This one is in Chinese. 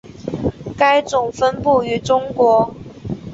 该种分布于中国。